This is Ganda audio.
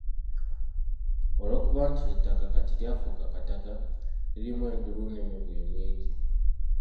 Olwokuba nti ettaka kati lyafuuka kataka, lirimu enduulu n’emivuyo mingi.